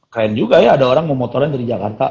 keren juga ya ada orang mau motorin dari jakarta